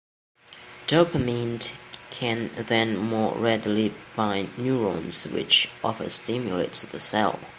Dopamine can then more readily bind neurons, which overstimulates the cells.